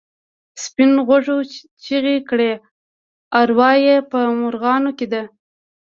سپین غوږو چیغې کړې اروا یې په مرغانو کې ده.